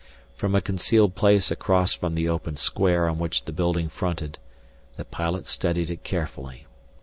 From a concealed place across from the open square on which the building fronted, the pilot studied it carefully.